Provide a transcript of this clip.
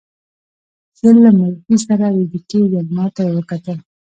زه له ملکې سره ویده کېږم، ما ته یې وکتل.